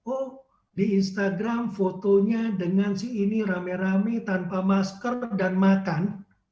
oh di instagram fotonya dengan si ini rame rame tanpa masker dan makan